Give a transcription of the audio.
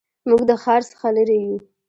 موږ د ښار څخه لرې یو